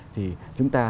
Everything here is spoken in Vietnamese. thì chúng ta